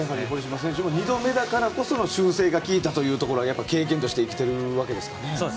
堀島選手も２度目だからこその修正が効いたというのが経験として生きているわけですね。